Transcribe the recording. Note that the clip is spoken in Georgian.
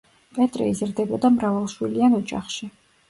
პეტრე იზრდებოდა მრავალშვილიან ოჯახში.